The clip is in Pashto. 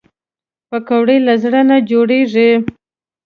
پکورې له زړه نه جوړېږي